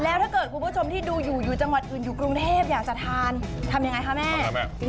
แล้วถ้าเกิดคุณผู้ชมที่ดูอยู่อยู่จังหวัดอื่นอยู่กรุงเทพอยากจะทานทำยังไงคะแม่